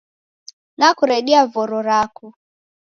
Nakuredia voro rako